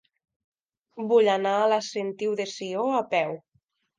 Vull anar a la Sentiu de Sió a peu.